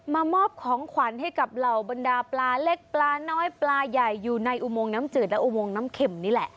มามอบของขวัญให้กับเหล่าบรรดาปลาเล็กปลาน้อยปลาใหญ่อยู่ในอุโมงน้ำจืดและอุโมงน้ำเข็มนี่แหละ